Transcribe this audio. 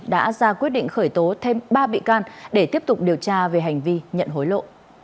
đã ra quyết định khởi tố thêm ba bị can để tiếp tục điều tra về hành vi nhận hối lộ